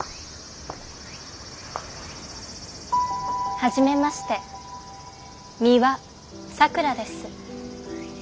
はじめまして美羽さくらです。